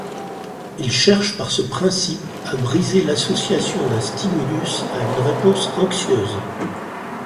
Il cherche par ce principe à briser l’association d’un stimulus à une réponse anxieuse.